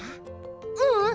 ううん！